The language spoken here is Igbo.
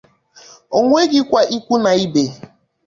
O nweghịkwa ikwu na ibe